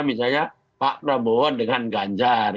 misalnya pak prabowo dengan ganjar